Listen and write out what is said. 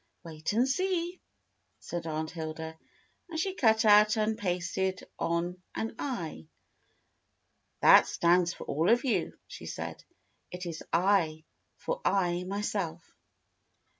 "Wait and see," said Aunt Hilda, and she cut out and pasted on an I. "That stands for all of you," she said. "It is 7, for I, myself."